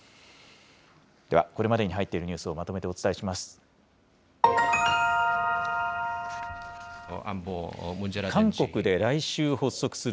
では、これまでに入っているニュースをまとめてお伝えします。